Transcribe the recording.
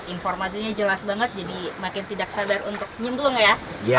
informasinya jelas banget jadi makin tidak sadar untuk nyemblong ya